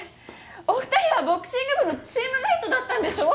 お二人はボクシング部のチームメートだったんでしょ？